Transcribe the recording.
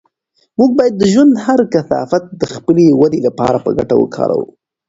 موږ باید د ژوند هر کثافت د خپلې ودې لپاره په ګټه وکاروو.